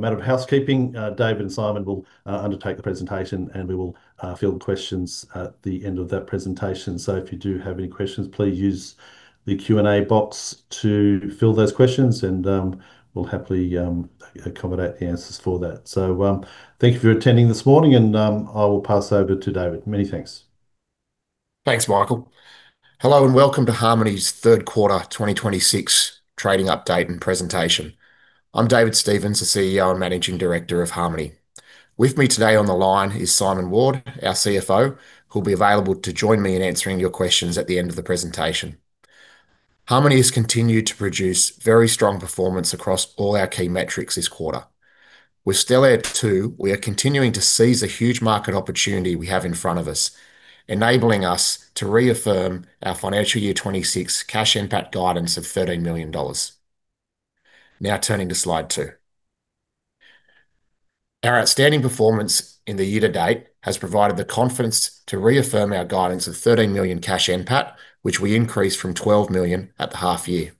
A matter of housekeeping. David and Simon will undertake the presentation, and we will field questions at the end of that presentation. If you do have any questions, please use the Q&A box to fill those questions, and we'll happily accommodate the answers for that. Thank you for attending this morning, and I will pass over to David. Many thanks. Thanks, Michael. Hello and welcome to Harmoney's third quarter 2026 trading update and presentation. I'm David Stevens, the CEO and Managing Director of Harmoney. With me today on the line is Simon Ward, our CFO, who'll be available to join me in answering your questions at the end of the presentation. Harmoney has continued to produce very strong performance across all our key metrics this quarter. With Stellare 2.0, we are continuing to seize a huge market opportunity we have in front of us, enabling us to reaffirm our financial year 2026 cash NPAT guidance of 13 million dollars. Now turning to Slide 2. Our outstanding performance in the year to date has provided the confidence to reaffirm our guidance of 13 million cash NPAT, which we increased from 12 million at the half year.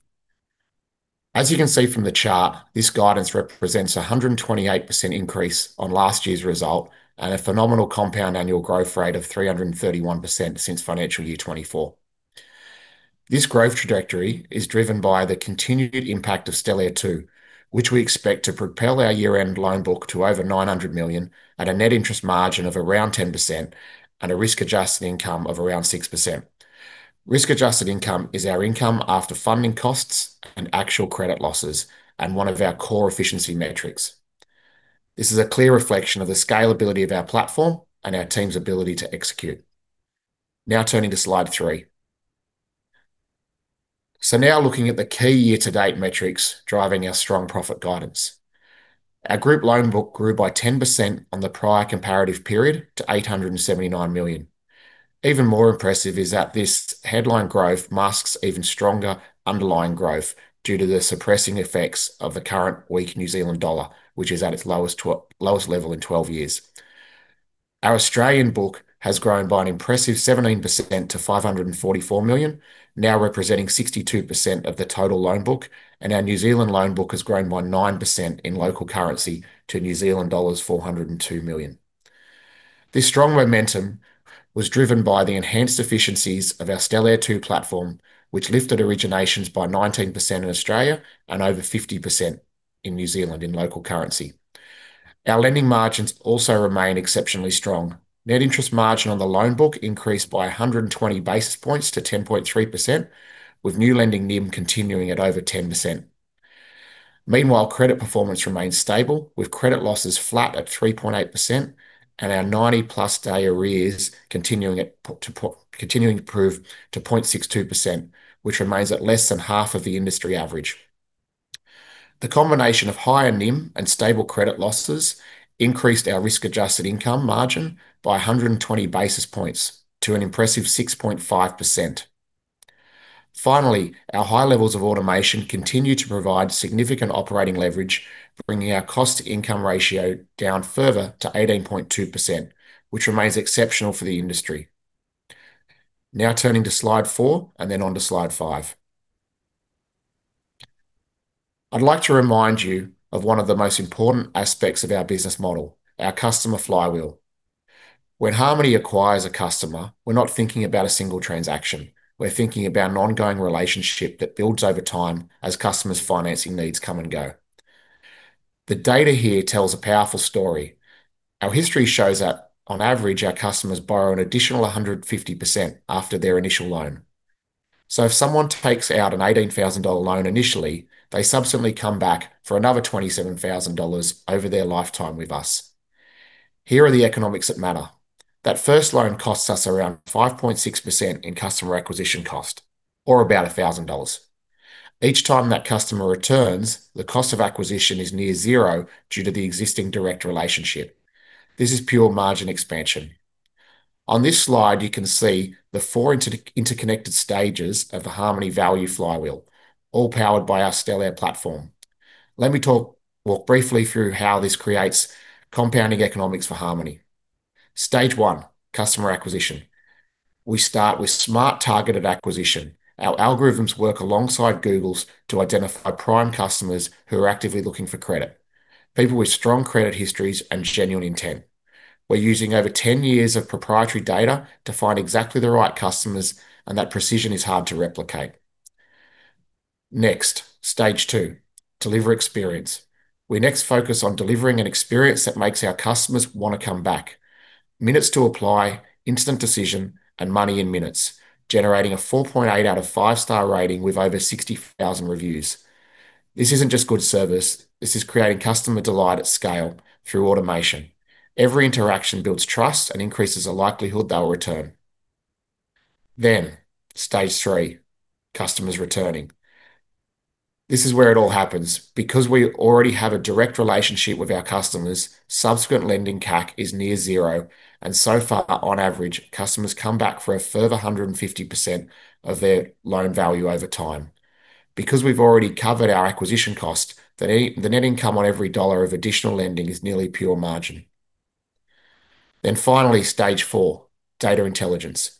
As you can see from the chart, this guidance represents 128% increase on last year's result and a phenomenal compound annual growth rate of 331% since FY 2024. This growth trajectory is driven by the continued impact of Stellare 2.0, which we expect to propel our year-end loan book to over 900 million, at a net interest margin of around 10% and a risk-adjusted income of around 6%. Risk-adjusted income is our income after funding costs and actual credit losses and one of our core efficiency metrics. This is a clear reflection of the scalability of our platform and our team's ability to execute. Now turning to Slide 3. Now looking at the key year-to-date metrics driving our strong profit guidance. Our group loan book grew by 10% on the prior comparative period to 879 million. Even more impressive is that this headline growth masks even stronger underlying growth due to the suppressing effects of the current weak New Zealand dollar, which is at its lowest level in 12 years. Our Australian book has grown by an impressive 17% to 544 million, now representing 62% of the total loan book, and our New Zealand loan book has grown by 9% in local currency to New Zealand dollars 402 million. This strong momentum was driven by the enhanced efficiencies of our Stellare 2.0 platform, which lifted originations by 19% in Australia and over 50% in New Zealand in local currency. Our lending margins also remain exceptionally strong. Net interest margin on the loan book increased by 120 basis points to 10.3%, with new lending NIM continuing at over 10%. Meanwhile, credit performance remains stable, with credit losses flat at 3.8% and our 90-plus day arrears continuing to improve to 0.62%, which remains at less than half of the industry average. The combination of higher NIM and stable credit losses increased our risk-adjusted income margin by 120 basis points to an impressive 6.5%. Finally, our high levels of automation continue to provide significant operating leverage, bringing our cost-to-income ratio down further to 18.2%, which remains exceptional for the industry. Now turning to Slide 4, and then onto Slide 5. I'd like to remind you of one of the most important aspects of our business model, our customer flywheel. When Harmoney acquires a customer, we're not thinking about a single transaction. We're thinking about an ongoing relationship that builds over time as customers' financing needs come and go. The data here tells a powerful story. Our history shows that on average, our customers borrow an additional 150% after their initial loan. If someone takes out an 18,000 dollar loan initially, they subsequently come back for another 27,000 dollars over their lifetime with us. Here are the economics that matter. That first loan costs us around 5.6% in customer acquisition cost, or about 1,000 dollars. Each time that customer returns, the cost of acquisition is near zero due to the existing direct relationship. This is pure margin expansion. On this slide, you can see the four interconnected stages of the Harmoney value flywheel, all powered by our Stellare platform. Let me talk briefly through how this creates compounding economics for Harmoney. Stage one, customer acquisition. We start with smart, targeted acquisition. Our algorithms work alongside Google's to identify prime customers who are actively looking for credit, people with strong credit histories and genuine intent. We're using over 10 years of proprietary data to find exactly the right customers, and that precision is hard to replicate. Next, stage two, deliver experience. We next focus on delivering an experience that makes our customers want to come back. Minutes to apply, instant decision, and money in minutes. Generating a 4.8 out of 5-star rating with over 60,000 reviews. This isn't just good service. This is creating customer delight at scale through automation. Every interaction builds trust and increases the likelihood they will return. Stage three, customers returning. This is where it all happens. Because we already have a direct relationship with our customers, subsequent lending CAC is near zero, and so far, on average, customers come back for a further 150% of their loan value over time. Because we've already covered our acquisition cost, the net income on every dollar of additional lending is nearly pure margin. Then finally, stage four, data intelligence.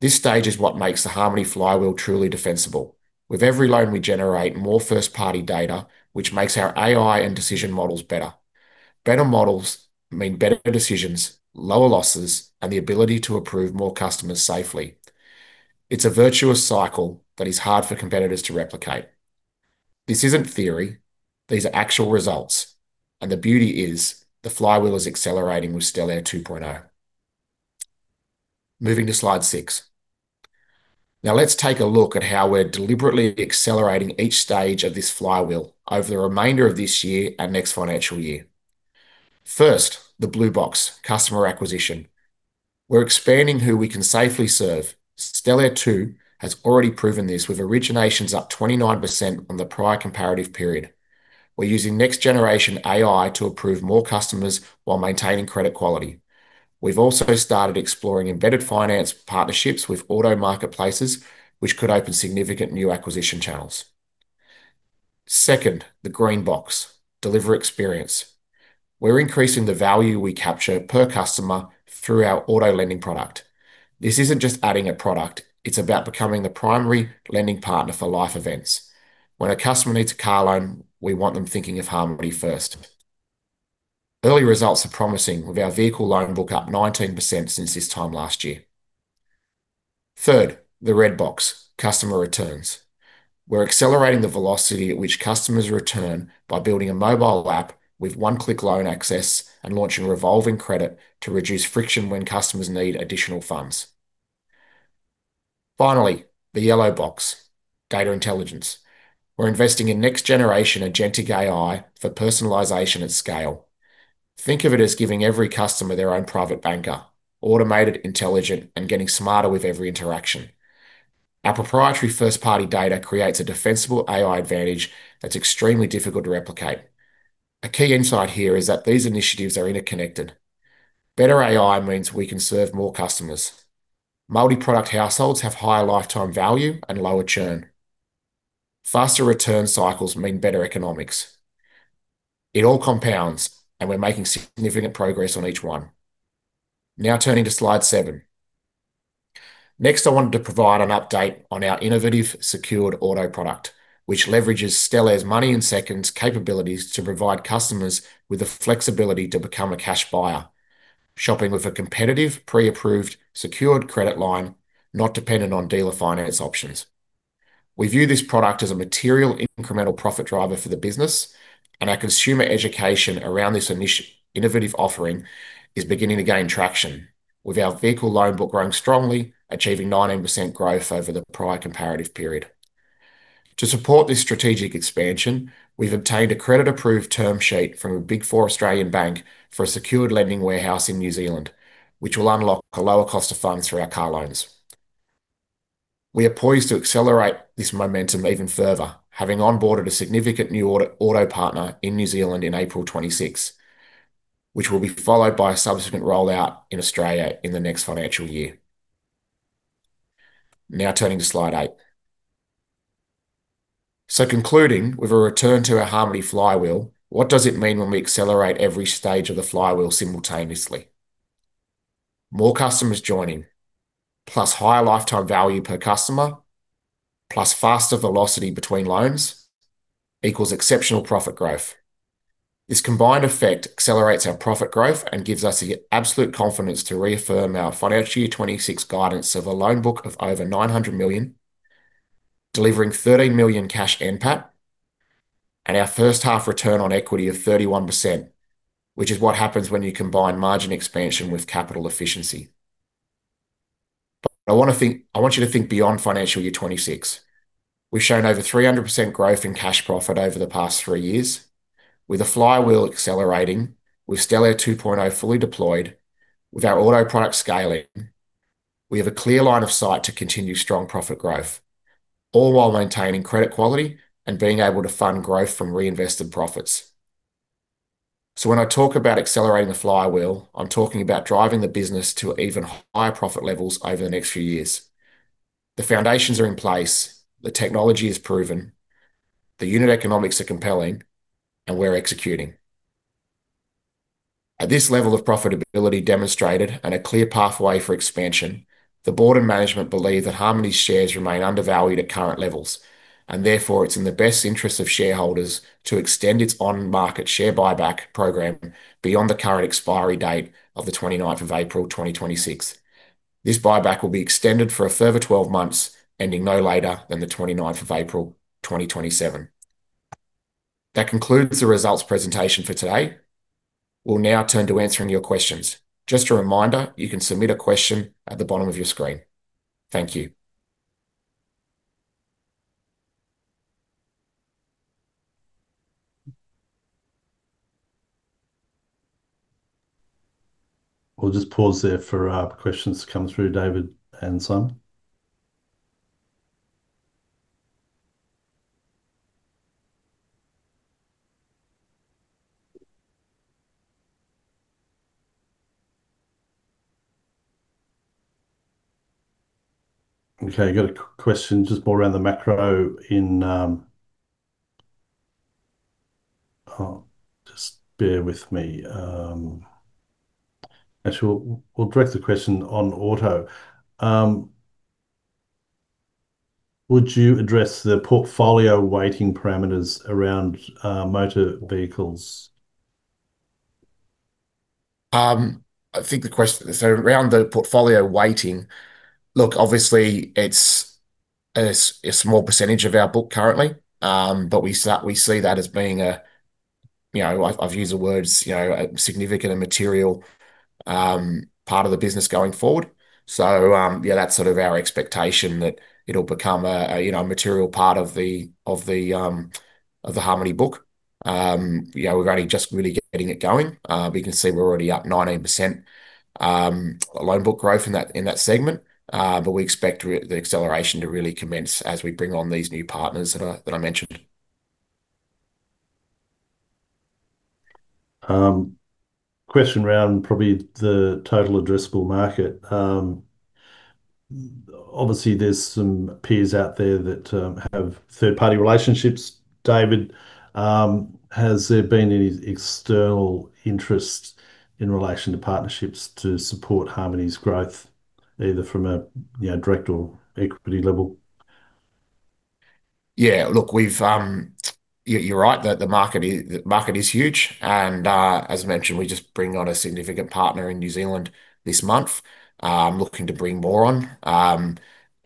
This stage is what makes the Harmoney flywheel truly defensible. With every loan, we generate more first-party data, which makes our AI and decision models better. Better models mean better decisions, lower losses, and the ability to approve more customers safely. It's a virtuous cycle that is hard for competitors to replicate. This isn't theory. These are actual results, and the beauty is the flywheel is accelerating with Stellare 2.0. Moving to slide six. Now let's take a look at how we're deliberately accelerating each stage of this flywheel over the remainder of this year and next financial year. First, the blue box, customer acquisition. We're expanding who we can safely serve. Stellare 2.0 has already proven this with originations up 29% on the prior comparative period. We're using next-generation AI to approve more customers while maintaining credit quality. We've also started exploring embedded finance partnerships with auto marketplaces, which could open significant new acquisition channels. Second, the green box, deliver experience. We're increasing the value we capture per customer through our auto lending product. This isn't just adding a product, it's about becoming the primary lending partner for life events. When a customer needs a car loan, we want them thinking of Harmoney first. Early results are promising, with our vehicle loan book up 19% since this time last year. Third, the red box, customer returns. We're accelerating the velocity at which customers return by building a mobile app with one-click loan access and launching revolving credit to reduce friction when customers need additional funds. Finally, the yellow box, data intelligence. We're investing in next-generation agentic AI for personalization at scale. Think of it as giving every customer their own private banker, automated, intelligent, and getting smarter with every interaction. Our proprietary first-party data creates a defensible AI advantage that's extremely difficult to replicate. A key insight here is that these initiatives are interconnected. Better AI means we can serve more customers. Multi-product households have higher lifetime value and lower churn. Faster return cycles mean better economics. It all compounds, and we're making significant progress on each one. Now turning to slide seven. Next, I wanted to provide an update on our innovative secured auto product, which leverages Stellare's money in seconds capabilities to provide customers with the flexibility to become a cash buyer, shopping with a competitive, pre-approved, secured credit line, not dependent on dealer finance options. We view this product as a material incremental profit driver for the business, and our consumer education around this innovative offering is beginning to gain traction with our vehicle loan book growing strongly, achieving 19% growth over the prior comparative period. To support this strategic expansion, we've obtained a credit-approved term sheet from a Big Four Australian bank for a secured lending warehouse in New Zealand, which will unlock a lower cost of funds for our car loans. We are poised to accelerate this momentum even further, having onboarded a significant new auto partner in New Zealand in April 2026, which will be followed by a subsequent rollout in Australia in the next financial year. Now turning to slide eight. Concluding with a return to our Harmoney flywheel, what does it mean when we accelerate every stage of the flywheel simultaneously? More customers joining, plus higher lifetime value per customer, plus faster velocity between loans, equals exceptional profit growth. This combined effect accelerates our profit growth and gives us the absolute confidence to reaffirm our FY 2026 guidance of a loan book of over 900 million, delivering 30 million Cash NPAT, and our first half return on equity of 31%, which is what happens when you combine margin expansion with capital efficiency. I want you to think beyond FY 2026. We've shown over 300% growth in cash profit over the past 3 years. With the flywheel accelerating, with Stellare 2.0 fully deployed, with our auto product scaling, we have a clear line of sight to continue strong profit growth, all while maintaining credit quality and being able to fund growth from reinvested profits. When I talk about accelerating the flywheel, I'm talking about driving the business to even higher profit levels over the next few years. The foundations are in place. The technology is proven. The unit economics are compelling, and we're executing. At this level of profitability demonstrated and a clear pathway for expansion, the board and management believe that Harmoney's shares remain undervalued at current levels, and therefore, it's in the best interest of shareholders to extend its on-market share buyback program beyond the current expiry date of the 29th of April, 2026. This buyback will be extended for a further 12 months, ending no later than the 29th of April, 2027. That concludes the results presentation for today. We'll now turn to answering your questions. Just a reminder, you can submit a question at the bottom of your screen. Thank you. We'll just pause there for questions to come through, [David Hanson. Okay, actually, we'll address the question on auto. Would you address the portfolio weighting parameters around motor vehicles? I think the question around the portfolio weighting, look, obviously it's a small percentage of our book currently, but we see that as being a, you know, I've used the words, you know, a significant and material part of the business going forward. Yeah, that's sort of our expectation, that it'll become a, you know, a material part of the Harmoney book. You know, we're only just really getting it going, but you can see we're already up 19% loan book growth in that segment. We expect the acceleration to really commence as we bring on these new partners that I mentioned. Question around probably the total addressable market. Obviously there's some peers out there that have third-party relationships. David, has there been any external interest in relation to partnerships to support Harmoney's growth, either from a, you know, direct or equity level? Yeah, look. You're right, the market is huge and as I mentioned, we're just bringing on a significant partner in New Zealand this month. Looking to bring more on.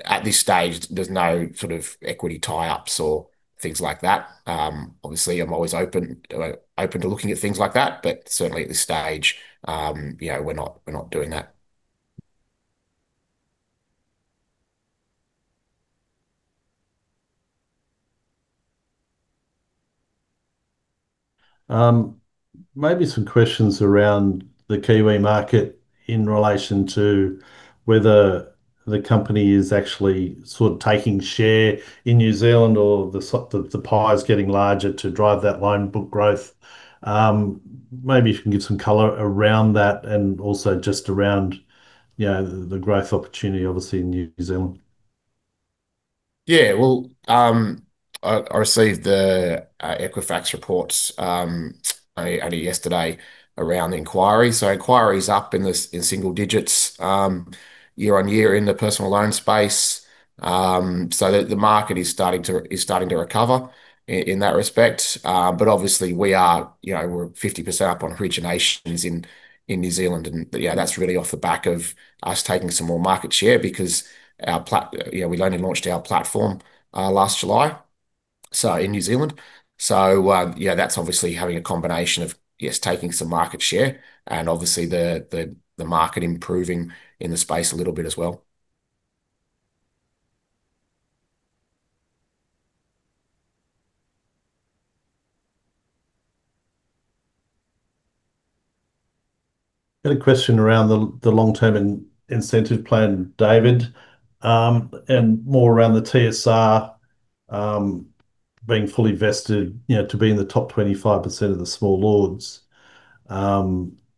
At this stage, there's no sort of equity tie-ups or things like that. Obviously I'm always open to looking at things like that, but certainly at this stage, you know, we're not doing that. Maybe some questions around the Kiwi market in relation to whether the company is actually sort of taking share in New Zealand or sort of the pie is getting larger to drive that loan book growth. Maybe if you can give some color around that and also just around, you know, the growth opportunity obviously in New Zealand. Yeah. Well, I received the Equifax report only yesterday around the inquiry. Inquiry is up in single digits year-on-year in the personal loan space. The market is starting to recover in that respect. Obviously we are, you know, we're 50% up on originations in New Zealand, but yeah, that's really off the back of us taking some more market share because our platform, you know, we've only launched last July in New Zealand. You know, that's obviously having a combination of yes, taking some market share and obviously the market improving in the space a little bit as well. Got a question around the long-term incentive plan, David, and more around the TSR, being fully vested, you know, to be in the top 25% of the [Small Ords].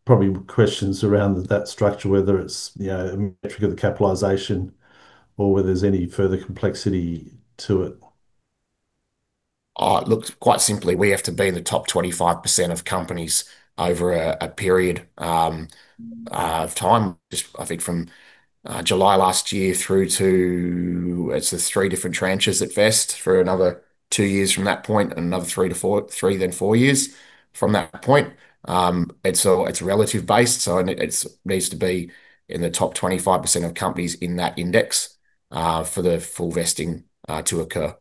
Probably questions around that structure, whether it's, you know, a metric of the capitalization or whether there's any further complexity to it. Oh, look, quite simply, we have to be in the top 25% of companies over a period of time, I think from July last year through to. It's the three different tranches that vest for another two years from that point and another three to four years from that point. It's relative-based, so it needs to be in the top 25% of companies in that index for the full vesting to occur.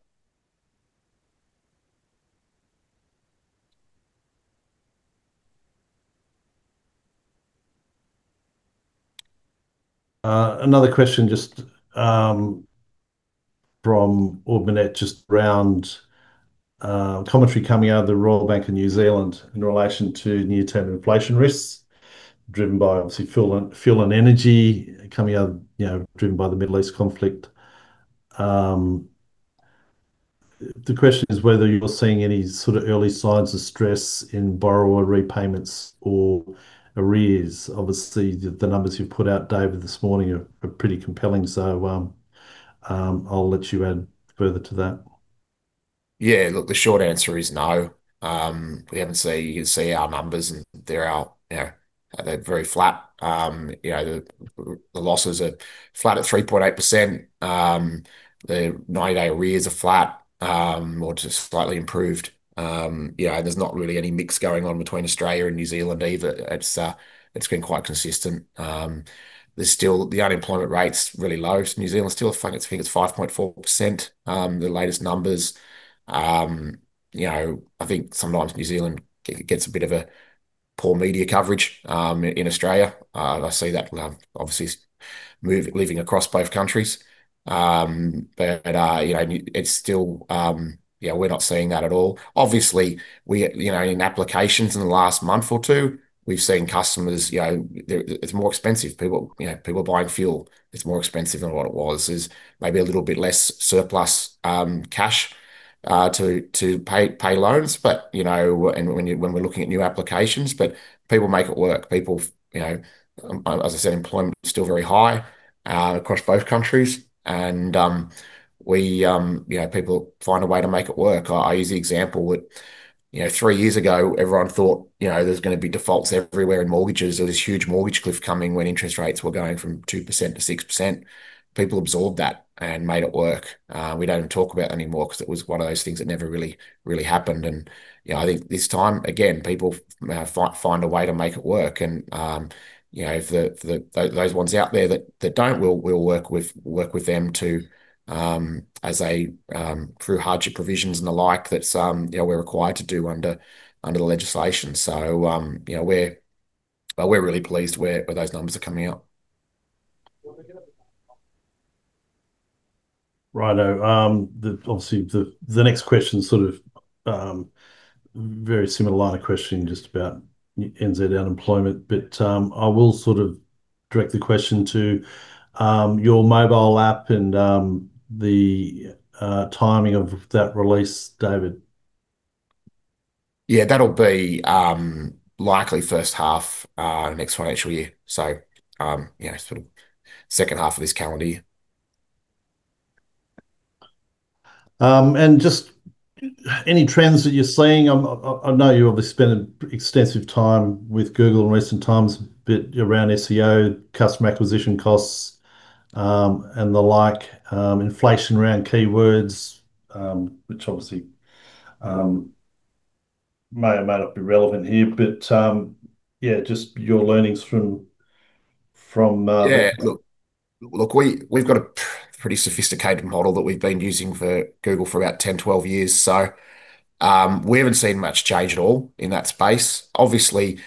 Another question just from [Aubernet], just around commentary coming out of the Reserve Bank of New Zealand in relation to near-term inflation risks driven by obviously fuel and energy coming out of, you know, driven by the Middle East conflict. The question is whether you're seeing any sort of early signs of stress in borrower repayments or arrears. Obviously, the numbers you've put out, David, this morning are pretty compelling. I'll let you add further to that. Yeah, look, the short answer is no. We haven't seen. You can see our numbers and they're our, you know, very flat. The losses are flat at 3.8%. The 90-day arrears are flat or just slightly improved. You know, there's not really any mix going on between Australia and New Zealand either. It's been quite consistent. There's still the unemployment rate's really low. New Zealand's still, I think it's 5.4%, the latest numbers. You know, I think sometimes New Zealand gets a bit of a poor media coverage in Australia. I see that, obviously, living across both countries. You know, you, it's still, you know, we're not seeing that at all. Obviously, we, you know, in applications in the last month or two, we've seen customers, you know, it's more expensive. People, you know, buying fuel, it's more expensive than what it was. There's maybe a little bit less surplus cash to pay loans. But, you know, when we're looking at new applications, people make it work. People, you know. As I said, employment is still very high across both countries and people find a way to make it work. I use the example that three years ago, everyone thought there's going to be defaults everywhere in mortgages. There was this huge mortgage cliff coming when interest rates were going from 2%-6%. People absorbed that and made it work. We don't even talk about it anymore because it was one of those things that never really happened. I think this time, again, people find a way to make it work. Those ones out there that don't, we'll work with them too through hardship provisions and the like that we're required to do under the legislation. We're really pleased where those numbers are coming out. Right. Obviously, the next question, very similar line of questioning just about NZ unemployment. I will direct the question to your mobile app and the timing of that release, David. Yeah. That'll be likely first half, next financial year. Second half of this calendar year. Just any trends that you're seeing. I know you're obviously spending extensive time with Google in recent times, but around SEO, customer acquisition costs, and the like, inflation around keywords, which obviously may or may not be relevant here. Yeah, just your learnings from- Yeah. Look, we've got a pretty sophisticated model that we've been using for Google for about 10, 12 years. We haven't seen much change at all in that space. Obviously,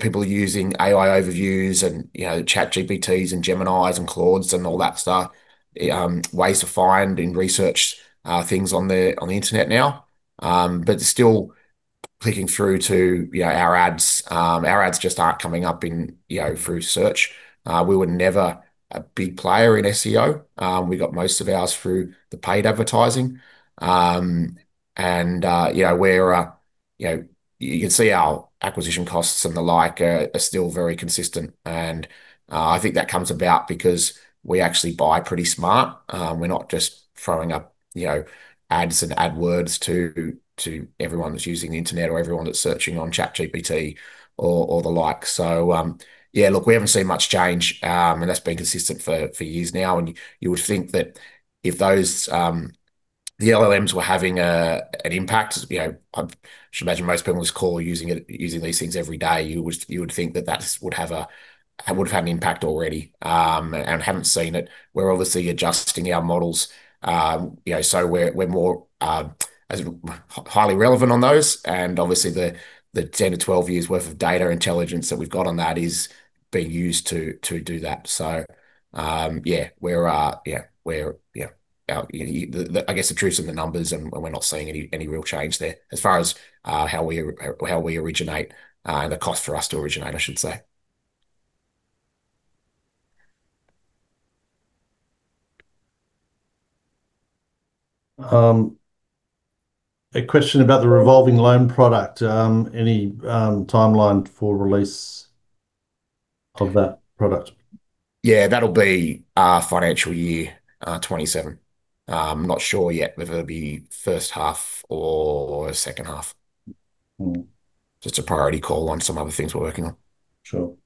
people are using AI Overviews and ChatGPT and Gemini and Claude and all that stuff, ways to find and research things on the internet now. Still clicking through to our ads. Our ads just aren't coming up through search. We were never a big player in SEO. We got most of ours through the paid advertising. You can see our acquisition costs and the like are still very consistent, and I think that comes about because we actually buy pretty smart. We're not just throwing up ads and AdWords to everyone that's using the internet or everyone that's searching on ChatGPT or the like. Yeah, look, we haven't seen much change, and that's been consistent for years now. You would think that if the LLMs were having an impact. I should imagine most people on this call are using these things every day. You would think that that would have had an impact already, and we haven't seen it. We're obviously adjusting our models, so we're more highly relevant on those, and obviously the 10-12 years' worth of data intelligence that we've got on that is being used to do that. Yeah. I guess the truth's in the numbers and we're not seeing any real change there as far as how we originate, the cost for us to originate, I should say. A question about the revolving loan product. Any timeline for release of that product? Yeah. That'll be financial year 2027. I'm not sure yet whether it'll be first half or second half. Mm. Just a priority call on some other things we're working on. Sure.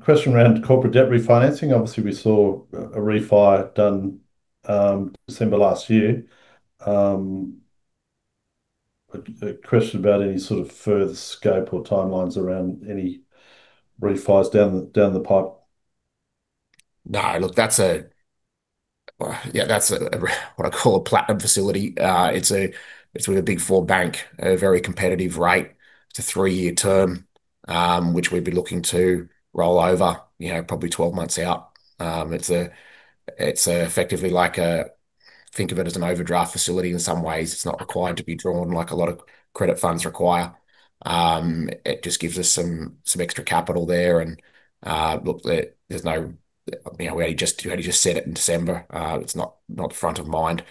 Question around corporate debt refinancing. Obviously, we saw a refi done December last year. A question about any sort of further scope or timelines around any refis down the pipe. No. Look, that's what I call a platinum facility. It's with a Big Four bank, a very competitive rate. It's a three year term, which we'd be looking to roll over probably 12 months out. It's effectively like a, think of it as an overdraft facility in some ways. It's not required to be drawn like a lot of credit funds require. It just gives us some extra capital there. Look, we only just set it in December. It's not front of mind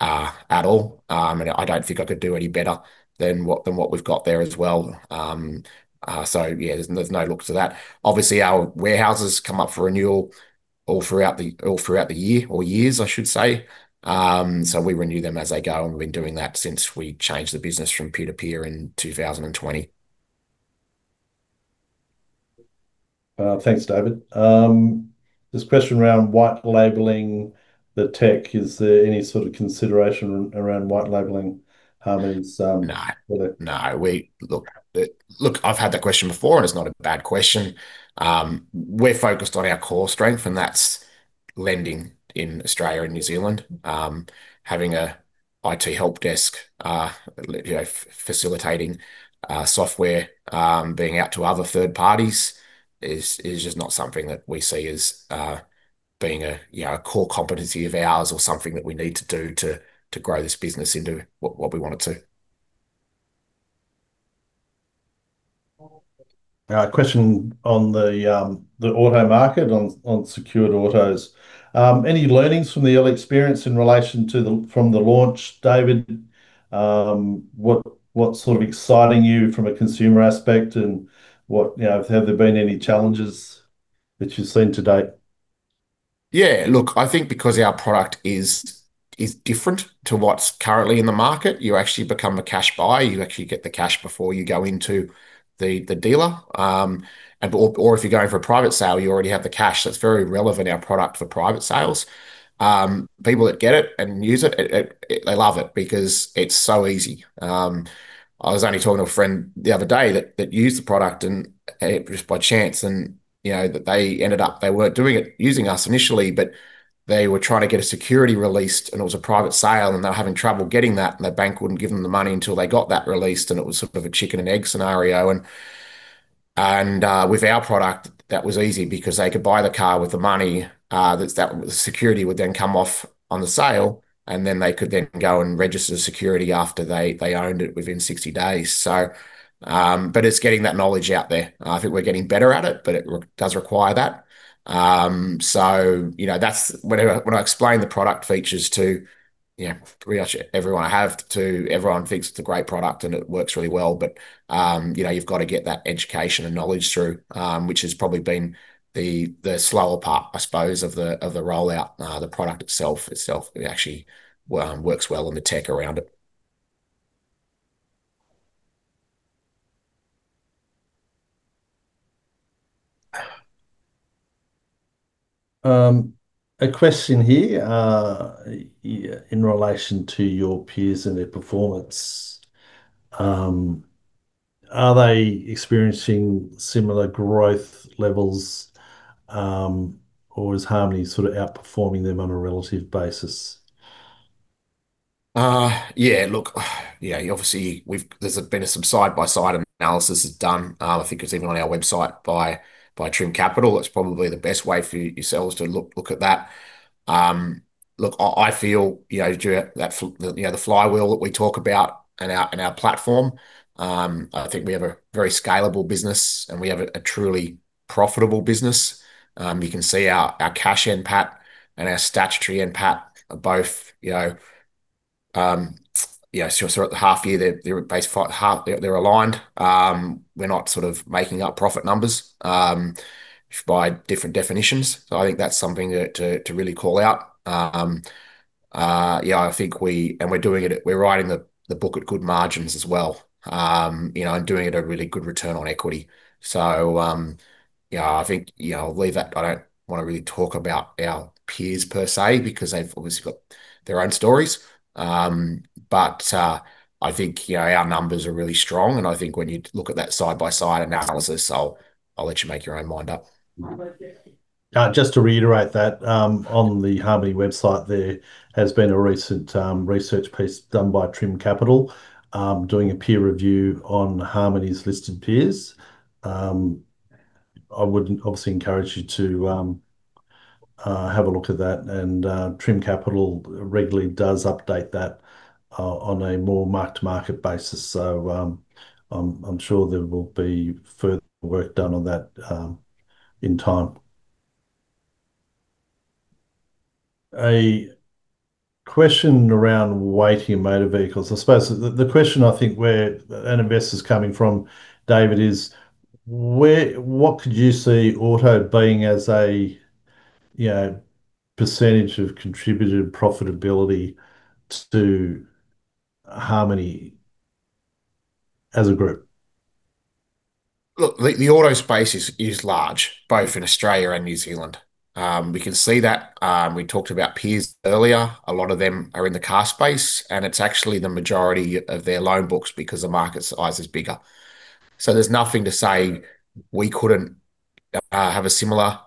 at all. I don't think I could do any better than what we've got there as well. Yeah, there's no look to that. Obviously, our warehouses come up for renewal all throughout the year, or years I should say. We renew them as they go, and we've been doing that since we changed the business from peer-to-peer in 2020. Thanks, David. There's a question around white labeling the tech. Is there any sort of consideration around white labeling Harmoney's product? No. Look, I've had that question before, and it's not a bad question. We're focused on our core strength, and that's lending in Australia and New Zealand. Having an IT helpdesk facilitating software, being out to other third parties is just not something that we see as being a core competency of ours or something that we need to do to grow this business into what we want it to. A question on the auto market, on secured autos. Any learnings from the early experience in relation to the launch, David? What's sort of exciting you from a consumer aspect, and have there been any challenges that you've seen to date? Yeah, look, I think because our product is different to what's currently in the market, you actually become a cash buyer. You actually get the cash before you go into the dealer. Or if you're going for a private sale, you already have the cash. That's very relevant, our product for private sales. People that get it and use it, they love it because it's so easy. I was only talking to a friend the other day that used the product and just by chance, and that they ended up, they weren't doing it, using us initially, but they were trying to get a security released, and it was a private sale, and they were having trouble getting that, and the bank wouldn't give them the money until they got that released, and it was sort of a chicken and egg scenario. With our product, that was easy because they could buy the car with the money. The security would then come off on the sale, and they could go and register the security after they owned it within 60 days. It's getting that knowledge out there. I think we're getting better at it, but it does require that. When I explain the product features to pretty much everyone I have to, everyone thinks it's a great product and it works really well. You've got to get that education and knowledge through, which has probably been the slower part, I suppose, of the rollout. The product itself actually works well and the tech around it. A question here, in relation to your peers and their performance. Are they experiencing similar growth levels, or is Harmoney sort of outperforming them on a relative basis? Yeah, look, yeah, obviously, there's been some side-by-side analysis done. I think it's even on our website by Trim Capital. That's probably the best way for yourselves to look at that. Look, I feel the flywheel that we talk about in our platform. I think we have a very scalable business, and we have a truly profitable business. You can see our Cash NPAT and our Statutory NPAT are both, so at the half year, they're aligned. We're not sort of making up profit numbers by different definitions. I think that's something to really call out. We're writing the book at good margins as well, and doing at a really good return on equity. I'll leave that. I don't want to really talk about our peers per se, because they've always got their own stories. I think our numbers are really strong, and I think when you look at that side-by-side analysis, I'll let you make your own mind up. Just to reiterate that, on the Harmoney website, there has been a recent research piece done by Trim Capital, doing a peer review on Harmoney's listed peers. I would obviously encourage you to have a look at that, and Trim Capital regularly does update that on a more mark-to-market basis. I'm sure there will be further work done on that in time. A question around weighting motor vehicles. I suppose the question I think where an investor's coming from, David, is what could you see auto being as a percentage of contributed profitability to Harmoney as a group? Look, the auto space is large, both in Australia and New Zealand. We can see that. We talked about peers earlier. A lot of them are in the car space, and it's actually the majority of their loan books because the market size is bigger. There's nothing to say we couldn't have a similar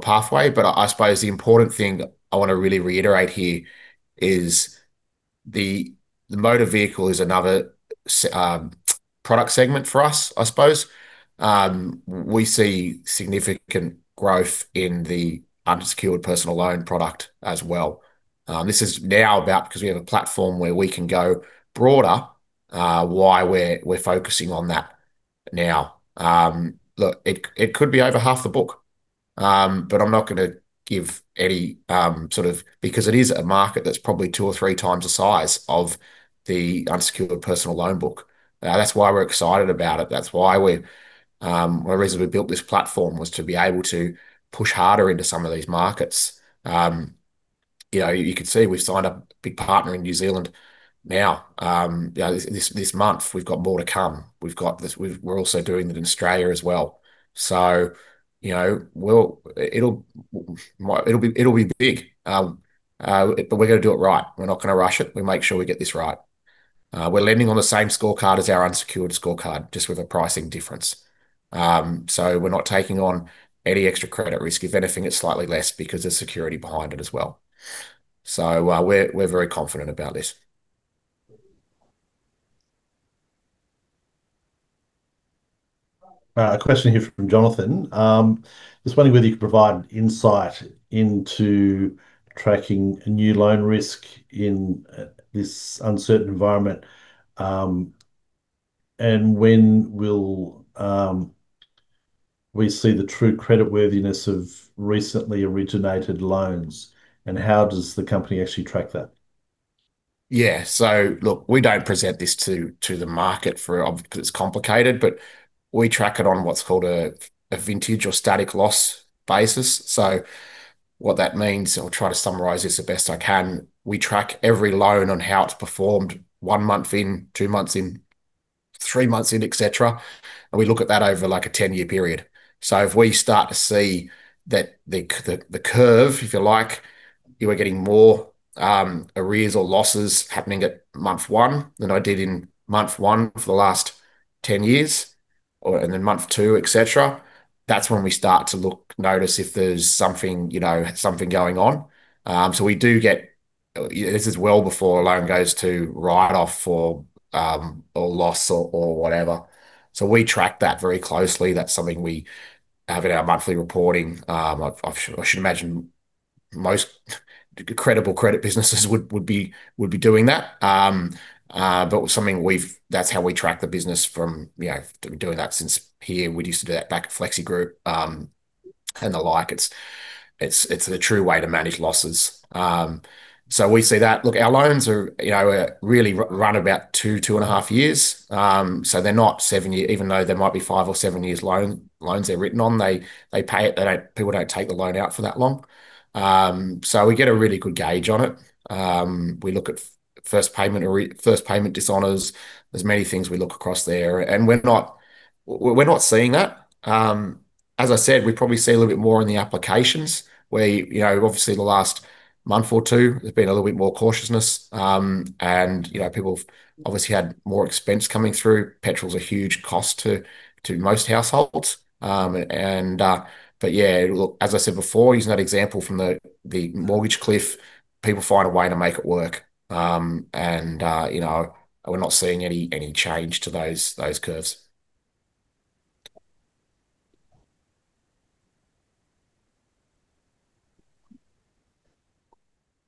pathway. I suppose the important thing I want to really reiterate here is the motor vehicle is another product segment for us, I suppose. We see significant growth in the unsecured personal loan product as well. This is now about, because we have a platform where we can go broader, why we're focusing on that now. Look, it could be over half the book, but I'm not going to give any sort of. Because it is a market that's probably two or three times the size of the unsecured personal loan book. That's why we're excited about it. That's the reason we built this platform, was to be able to push harder into some of these markets. You can see we've signed a big partner in New Zealand now. This month we've got more to come. We're also doing it in Australia as well. It'll be big. We're going to do it right. We're not going to rush it. We make sure we get this right. We're lending on the same scorecard as our unsecured scorecard, just with a pricing difference. We're not taking on any extra credit risk. If anything, it's slightly less because there's security behind it as well. We're very confident about this. A question here from Jonathan. Just wondering whether you could provide insight into tracking new loan risk in this uncertain environment, and when will we see the true creditworthiness of recently originated loans, and how does the company actually track that? Yeah. Look, we don't present this to the market, obviously, because it's complicated. We track it on what's called a vintage or static loss basis. What that means, I'll try to summarize this the best I can. We track every loan on how it's performed one month in, two months in, three months in, et cetera, and we look at that over a 10-year period. If we start to see the curve, if you like, you are getting more arrears or losses happening at month one than I did in month one for the last 10 years, or, and then month two, et cetera, that's when we start to notice if there's something going on. This is well before a loan goes to write-off, or loss or whatever. We track that very closely. That's something we have in our monthly reporting. I should imagine most credible credit businesses would be doing that. That's how we track the business by doing that since here, we used to do that back at FlexiGroup and the like. It's the true way to manage losses. We see that. Look, our loans really run about two and a half years, so they're not seven-year. Even though they might be five or seven-year loans they're written on, people don't take the loan out for that long. We get a really good gauge on it. We look at first payment dishonors. There's many things we look across there, and we're not seeing that. As I said, we probably see a little bit more in the applications where obviously the last month or two, there's been a little bit more cautiousness. People have obviously had more expense coming through. Petrol's a huge cost to most households. Yeah, look, as I said before, using that example from the mortgage cliff, people find a way to make it work. We're not seeing any change to those curves.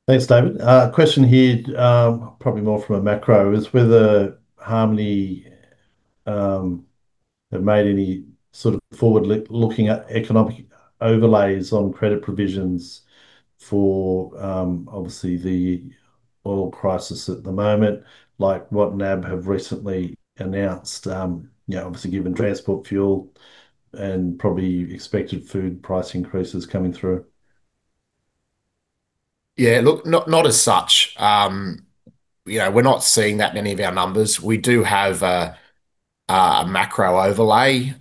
Thanks, David. A question here, probably more from a macro, is whether Harmoney have made any sort of forward looking at economic overlays on credit provisions for obviously the oil crisis at the moment, like what NAB have recently announced. Obviously given transport fuel and probably expected food price increases coming through. Yeah, look, not as such. We're not seeing that in any of our numbers. We do have a macro overlay,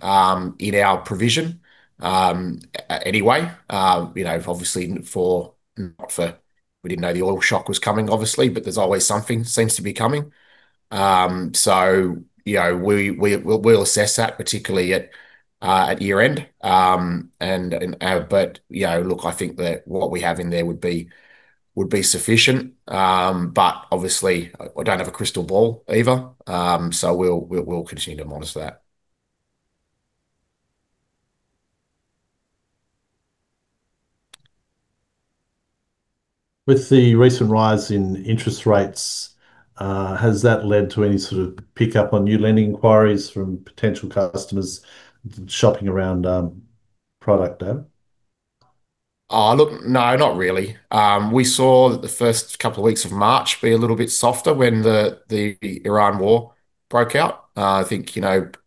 in our provision anyway. Obviously, we didn't know the oil shock was coming, obviously, but there's always something seems to be coming. We'll assess that particularly at year-end. Look, I think that what we have in there would be sufficient, but obviously I don't have a crystal ball either. We'll continue to monitor that. With the recent rise in interest rates, has that led to any sort of pickup on new lending inquiries from potential customers shopping around product, David? Look, no, not really. We saw the first couple of weeks of March be a little bit softer when the Iran war broke out. I think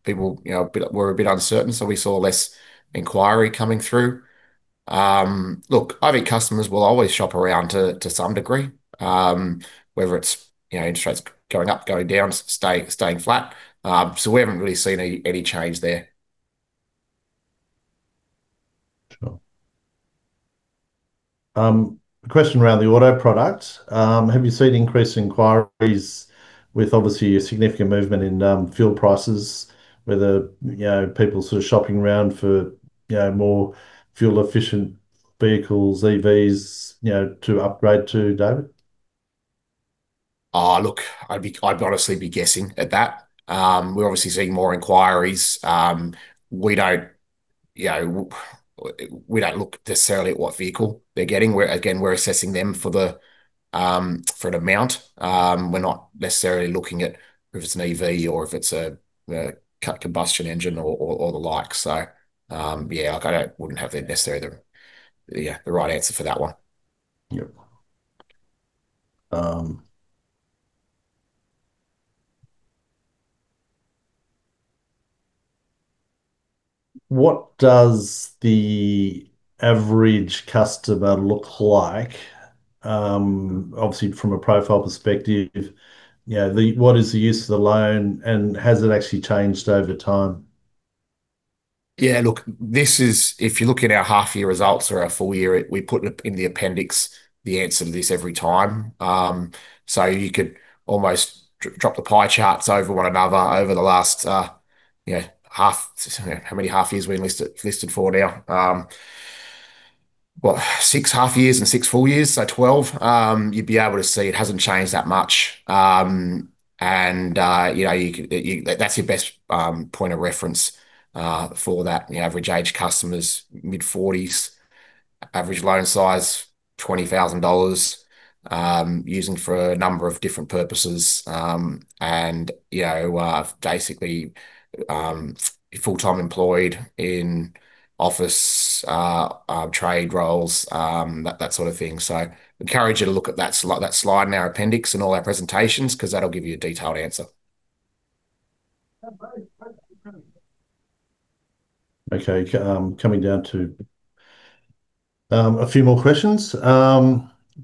people were a bit uncertain, so we saw less inquiry coming through. Look, I think customers will always shop around to some degree, whether it's interest rates going up, going down, staying flat. We haven't really seen any change there. Sure. A question around the auto product. Have you seen increased inquiries with obviously a significant movement in fuel prices, whether people are shopping around for more fuel-efficient vehicles, EVs, to upgrade to, David? Look, I'd honestly be guessing at that. We're obviously seeing more inquiries. We don't look necessarily at what vehicle they're getting. Again, we're assessing them for an amount. We're not necessarily looking at if it's an EV or if it's a cut combustion engine or the like. Yeah, look, I wouldn't have necessarily the right answer for that one. Yep. What does the average customer look like? Obviously from a profile perspective, what is the use of the loan, and has it actually changed over time? Yeah, look, if you look at our half-year results or our full year, we put in the appendix the answer to this every time. You could almost drop the pie charts over one another over the last half. How many half years we listed for now? What, six half years and six full years, so 12. You'd be able to see it hasn't changed that much. That's your best point of reference, for that average age customers, mid-40s, average loan size, 20,000 dollars, using for a number of different purposes. Basically, full-time employed in office, trade roles, that sort of thing. Encourage you to look at that slide in our appendix in all our presentations, because that'll give you a detailed answer. Okay. Coming down to a few more questions.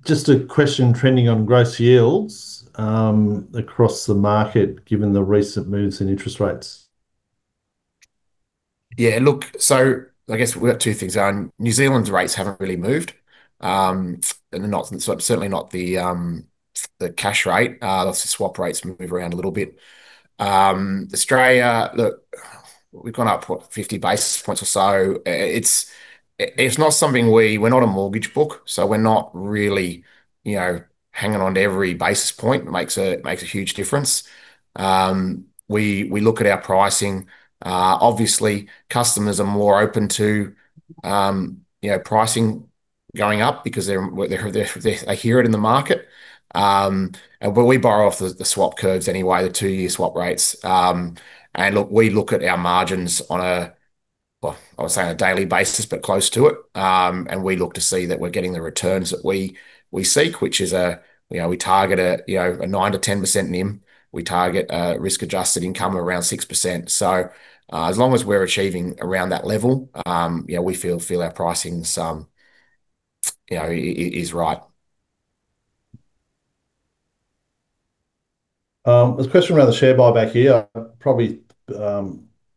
Just a question trending on gross yields across the market, given the recent moves in interest rates. Yeah, look, I guess we've got two things. New Zealand's rates haven't really moved. Certainly not the cash rate. Obviously, swap rates move around a little bit. Australia, look, we've gone up, what, 50 basis points or so. We're not a mortgage book, so we're not really hanging on to every basis point makes a huge difference. We look at our pricing. Obviously, customers are more open to pricing going up because they hear it in the market. We borrow off the swap curves anyway, the two-year swap rates. Look, we look at our margins on a, I wouldn't say on a daily basis, but close to it. We look to see that we're getting the returns that we seek, which is we target a 9%-10% NIM. We target risk-adjusted income around 6%. As long as we're achieving around that level, we feel our pricing is right. There's a question around the share buyback here. I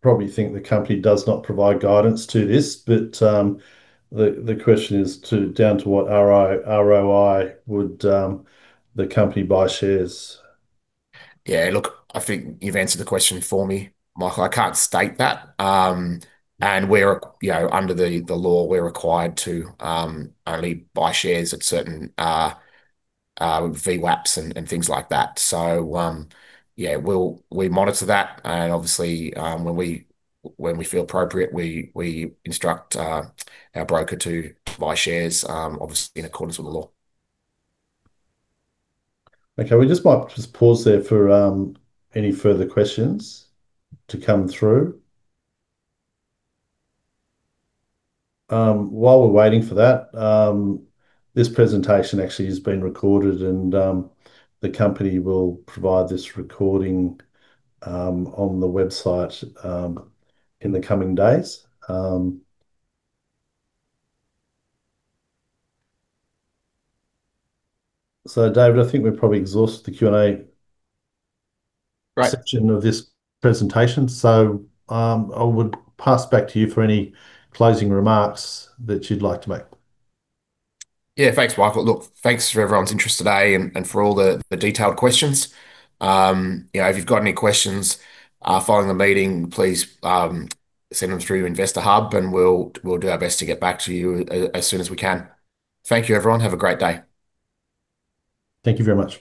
probably think the company does not provide guidance to this, but the question is down to what ROI would the company buy shares? Yeah, look, I think you've answered the question for me, Michael. I can't state that. Under the law, we're required to only buy shares at certain VWAPs and things like that. Yeah, we monitor that, and obviously, when we feel appropriate, we instruct our broker to buy shares in accordance with the law. Okay. We just might pause there for any further questions to come through. While we're waiting for that, this presentation actually has been recorded, and the company will provide this recording on the website in the coming days. David, I think we've probably exhausted the Q&A. Right section of this presentation, so I would pass back to you for any closing remarks that you'd like to make. Yeah. Thanks, Michael. Look, thanks for everyone's interest today and for all the detailed questions. If you've got any questions following the meeting, please send them through Investor Hub and we'll do our best to get back to you as soon as we can. Thank you, everyone. Have a great day. Thank you very much.